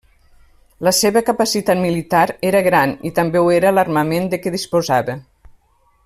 La seva capacitat militar era gran i també ho era l'armament de què disposava.